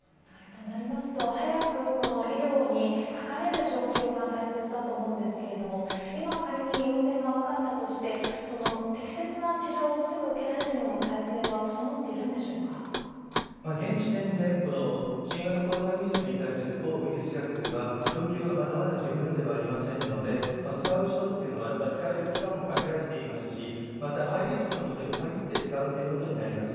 となりますと、早くこの医療にかかれる状況が大切だと思うんですけれども、今、仮に要請が分かったとして、適切な治療をすぐ受けられるような体制は整っているんでしょうか現時点で、この新型コロナウイルスに対する抗ウイルス薬は、供給はまだまだ十分ではありませんので、使う人っていうのは、使える機関も限られていますし、また、ハイリスクの人に限って使うということになります。